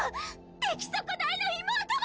出来損ないの妹は！